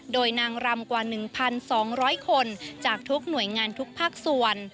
โดยนางรำกว่า๑๒๐๐คนจากทุกหน่วยงานทุกภาคส่วน